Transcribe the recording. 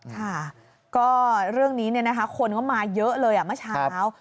ค่ะก็เรื่องนี้คนก็มาเยอะเลยเมื่อเช้า